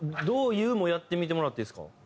「どう言う」もやってみてもらっていいですか？